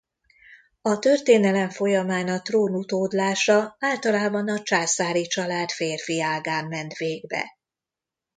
A történelem folyamán a trón utódlása általában a császári család férfi ágán ment végbe.